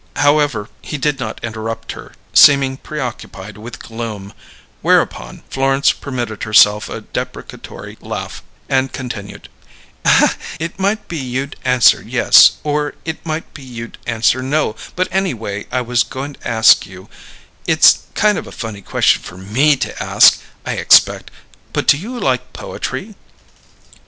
However, he did not interrupt her, seeming preoccupied with gloom; whereupon Florence permitted herself a deprecatory laugh, and continued, "It might be you'd answer yes, or it might be you'd answer no; but anyway I was goin' to ask you it's kind of a funny question for me to ask, I expect but do you like poetry?"